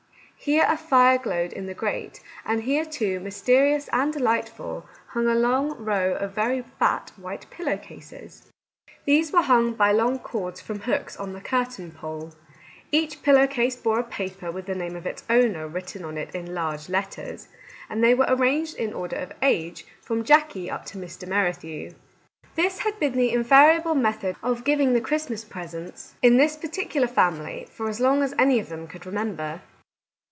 Here a fire glowed in the grate, and here, too, mysterious and delightful, hung a long row of very fat white pillow cases ! These were hung by long cords from hooks on the curtain pole. Each pillow case bore a paper with the name of its owner written on it in large letters, and they were arranged in order of age, from Jackie up to Mr. Merrithew. This had been the invariable method of giving the Christmas presents in 90 Our Little Canadian Cousin this particular family for as long as any of them could remember.